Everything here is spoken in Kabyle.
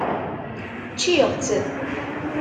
Ččiɣ-tt.